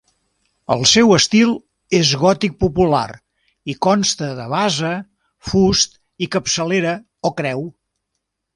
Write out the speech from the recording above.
El seu estil és gòtic popular i consta de base, fust i capçalera o creu.